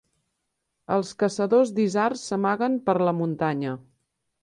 Els caçadors d'isards s'amaguen per la muntanya.